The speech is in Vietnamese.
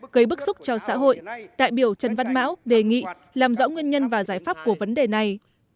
gây bức xúc cho xã hội đại biểu trần văn mão đề nghị làm rõ nguyên nhân và giải pháp của vấn đề này